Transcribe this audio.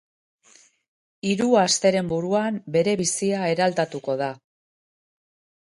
Hiru asteren buruan bere bizia eraldatuko da.